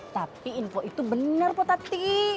tapi info itu benar potati